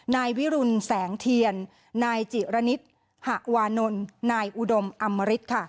นายวิรุณแสงเทียนนายจิระณิชย์หะวานลนายอุดมอำมริต